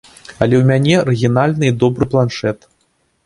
Але ў мяне арыгінальны і добры планшэт.